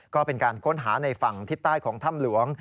ก็เป็นการค้นหาในฝั่งทิศใต้ของถ้ำหลวง